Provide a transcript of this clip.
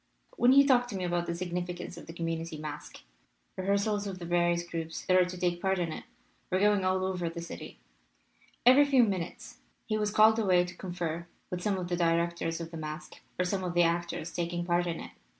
When he talked to me about the significance of the com munity masque, rehearsals of the various groups that are to take part in it were going on all over 20 305 LITERATURE IN THE MAKING the city. Every few minutes he was called away to confer with some of the directors of the masque, or some of the actors taking part in it.